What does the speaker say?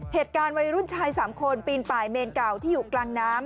เหตุการณ์วัยรุ่นชาย๓คนปีนป่ายเมนเก่าที่อยู่กลางน้ำ